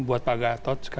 buat pak gatot